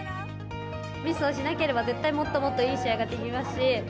ミスをしなければ絶対もっともっといい試合ができますし。